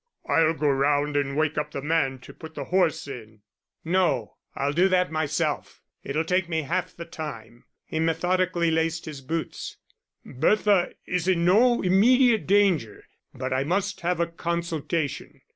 "I'll go round and wake up the man to put the horse in." "No, I'll do that myself; it'll take me half the time." He methodically laced his boots. "Bertha is in no immediate danger. But I must have a consultation.